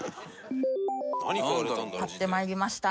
買って参りました。